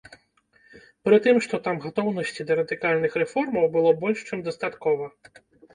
Прытым, што там гатоўнасці да радыкальных рэформаў было больш чым дастаткова.